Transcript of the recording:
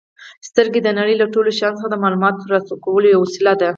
سترګې د نړۍ له ټولو شیانو څخه د معلوماتو ترلاسه کولو یوه وسیله ده.